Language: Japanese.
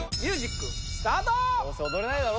どうせ踊れないだろ？